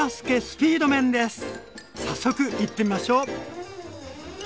早速いってみましょう！